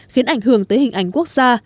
khiến ảnh hưởng tới hình ảnh quốc gia